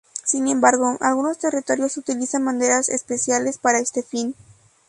Sin embargo, algunos territorios utilizan banderas especiales para este fin.